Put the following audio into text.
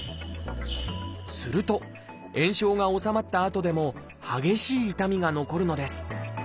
すると炎症が治まったあとでも激しい痛みが残るのです。